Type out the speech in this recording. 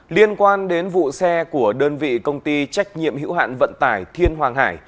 liên quan đến vụ xe của đơn vị công ty trách nhiệm hữu hạn vận tải thiên hoàng hải